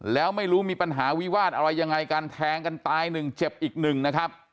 แล้วไม่รู้มีปัญหาวิวาสอะไรยังไงกันแทงกันตายหนึ่งเจ็บอีกหนึ่งนะครับ